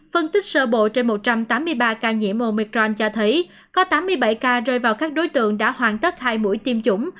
một bộ trên một trăm tám mươi ba ca nhiễm omicron cho thấy có tám mươi bảy ca rơi vào các đối tượng đã hoàn tất hai mũi tiêm chủng